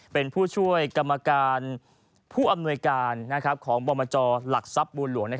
เป็นผู้ช่วยกรรมการผู้อำนวยการของบมจหลักทรัพย์บัวหลวง